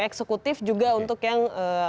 eksekutif juga untuk yang